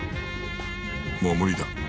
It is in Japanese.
もう無理だ。